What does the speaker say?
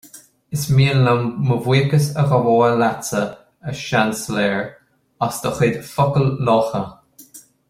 Is mian liom mo bhuíochas a ghabháil leatsa, a Seansailéir, as do chuid focail lácha